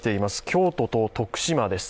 京都と徳島です。